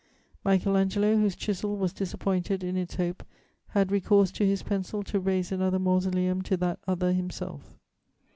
_' "Michael Angelo, whose chisel was disappointed in its hope, had recourse to his pencil to raise another mausoleum to that other himself.